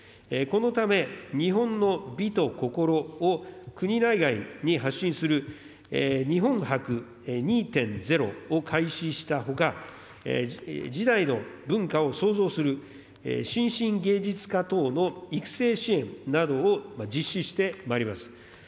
このため、日本の美と心を国内外に発信する日本博２．０を開始したほか、次代の文化を創造する新進芸術家等の育成支援などを実施してまいります。